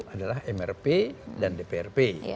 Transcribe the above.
adalah mrp dan dprp